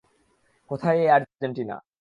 কোথায় এই আর্জেন্টিনা?